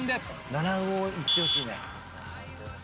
７５いってほしいね。